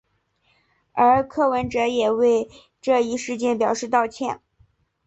而柯文哲也为这一事件表示道歉。